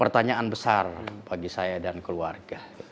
pertanyaan besar bagi saya dan keluarga